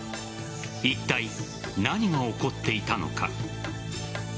いったい何が起こっていたのか。